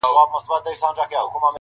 ټولوي رزق او روزي له لویو لارو-